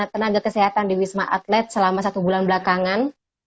tenaga kesehatan di wisma atlet selama satu bulan belakangan